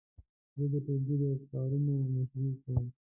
زه د ټولګي د کارونو مشري کوم.